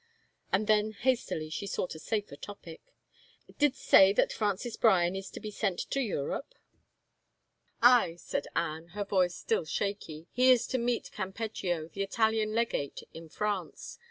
..." And then hastily she sought a safer topic. " Didst say that Francis Bryan is to be sent to Europe ?"" Aye," said Anne, her voice still shaky, " he is to meet Campeggio, the Italian legate, in France.